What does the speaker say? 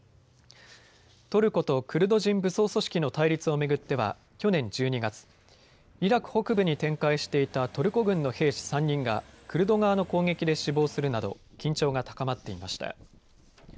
トルコとクルド人武装組織の対立を巡っては去年１２月、イラク北部に展開していたトルコ軍の兵士３人がクルド側の攻撃で死亡するなど緊張が高まっていました。